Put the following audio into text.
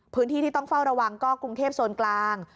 พื้นที่ที่ต้องเฝ้าระวังก็กรุงเทพโซนกลาง